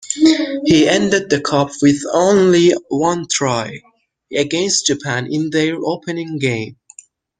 He ended the cup with only one try, against Japan in their opening game.